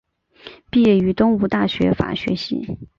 毕业于东吴大学法律系。